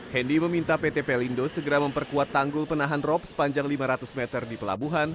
hendy meminta pt pelindo segera memperkuat tanggul penahan rop sepanjang lima ratus meter di pelabuhan